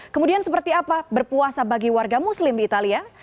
kemudian seperti apa berpuasa bagi warga muslim di italia